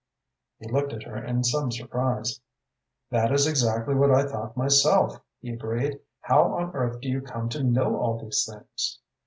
He looked at her in some surprise. "That is exactly what I thought myself," he agreed. "How on earth do you come to know all these things?"